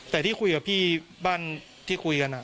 แต่ที่คุยกับพี่บ้านที่คุยกัน